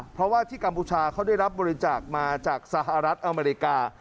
เพราะว่าที่กัมพูชาเขาได้รับบริจาคมาจากสหรัฐอเมริกา